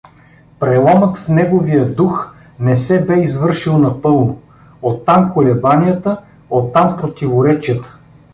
Преломът в неговия дух не се бе извършил напълно: оттам колебанията, оттам противоречията.